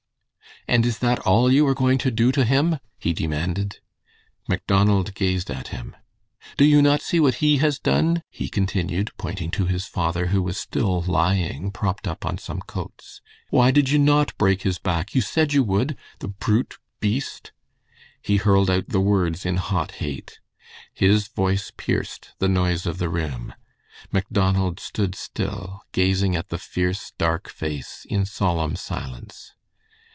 "And is that all you are going to do to him?" he demanded. Macdonald gazed at him. "Do you not see what he has done?" he continued, pointing to his father, who was still lying propped up on some coats. "Why did you not break his back? You said you would! The brute, beast!" He hurled out the words in hot hate. His voice pierced the noise of the room. Macdonald stood still, gazing at the fierce, dark face in solemn silence.